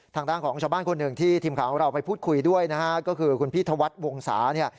ทางด้านของชาวบ้านคนหนึ่งที่ทีมข่าวของเราไปพูดคุยด้วยนะฮะก็คือคุณพี่ธวัฒน์วงศาเนี่ย